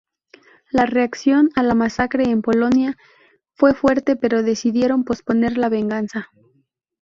La reacción a la masacre en Polonia fue fuerte, pero decidieron posponer la venganza.